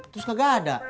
terus gak ada